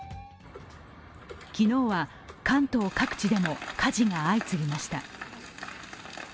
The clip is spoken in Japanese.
昨日は、関東各地でも火事が相次ぎました。